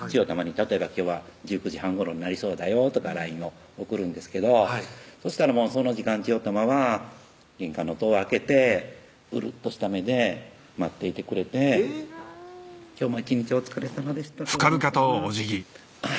例えば「今日は１９時半頃になりそうだよ」とかＬＩＮＥを送るんですけどはいそしたらその時間ちよたまは玄関のドア開けてうるっとした目で待っていてくれて「今日も一日お疲れさまでしたとおるん様」